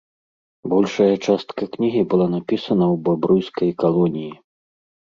Большая частка кнігі была напісана ў бабруйскай калоніі.